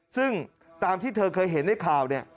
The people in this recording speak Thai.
ซึ่งตามที่เธอเคยเห็นในข่าวเนี่ย